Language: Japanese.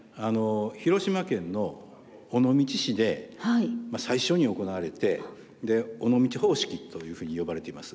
広島県の尾道市で最初に行われて尾道方式というふうに呼ばれています。